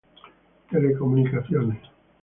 Telecomunicaciones